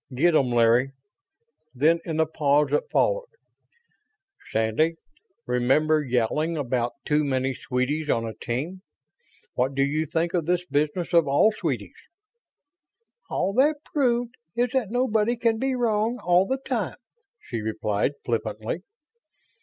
"Get 'em, Larry." Then, in the pause that followed: "Sandy, remember yowling about too many sweeties on a team? What do you think of this business of all sweeties?" "All that proves is that nobody can be wrong all the time," she replied flippantly.